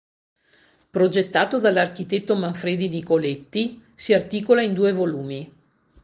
Progettato dall'architetto Manfredi Nicoletti, si articola in due volumi.